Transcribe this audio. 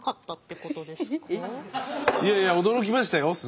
いやいや驚きましたよ。